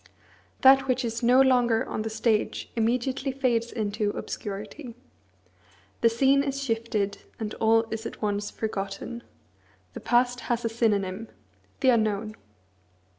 That which is no longer on the stage immediately fades into obscurity. The scene is shifted, and all is at once forgotten. The past has a synonym, the unknown.